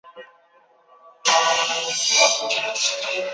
长昌基隆竞选总部昨也到基隆地检署控告国民党及基隆市政府。